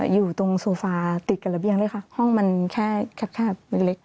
อยู่ตรงโซฟาติดกับระเบียงเลยค่ะห้องมันแค่แคบเล็ก